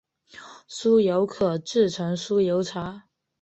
酥油可制成酥油茶。